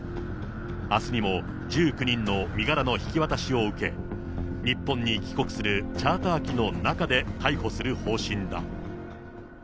あすにも、１９人の身柄の引き渡しを受け、日本に帰国するチャーター機の中で逮捕する方針だ。